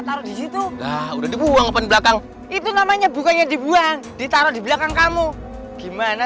taruh di situ udah dibuang ke belakang itu namanya bukannya dibuang ditaruh di belakang kamu gimana